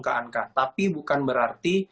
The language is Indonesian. ke angka tapi bukan berarti